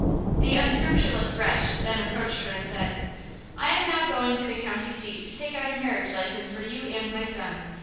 The unscrupulous wretch then approached her and said: "I am now going to the county seat to take out a marriage license for you and my son.